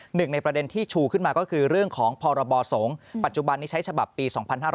หนึ่งในประเด็นที่ชูขึ้นมาก็คือเรื่องของพรบสงฆ์ปัจจุบันนี้ใช้ฉบับปี๒๕๕๙